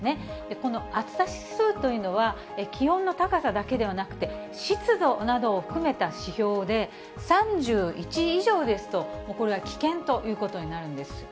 この暑さ指数というのは、気温の高さだけではなくて、湿度などを含めた指標で、３１以上ですと、これは危険ということになるんです。